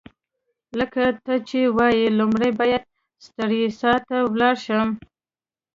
لکه ته چي وايې، لومړی باید سټریسا ته ولاړ شم.